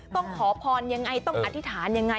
ต้องขอพรอย่างไรต้องอธิษฐานอย่างไร